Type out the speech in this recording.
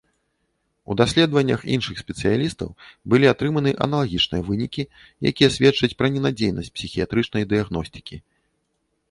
У даследваннях іншых спецыялістаў былі атрыманы аналагічныя вынікі, якія сведчаць пра ненадзейнасць псіхіятрычнай дыягностыкі.